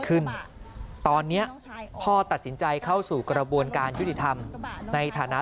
ขึ้นตอนนี้พ่อตัดสินใจเข้าสู่กระบวนการยุติธรรมในฐานะ